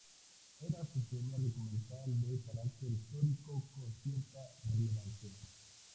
Era su primer documental de carácter histórico con cierta relevancia.